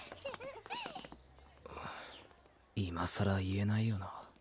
いまさら言えないよなぁ